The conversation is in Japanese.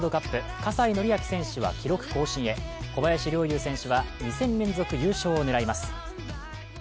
葛西紀明選手は記録更新へ小林陵侑選手は２戦連続優勝を狙います。